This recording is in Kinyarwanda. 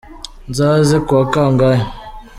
Nzaze ku wa kangahe?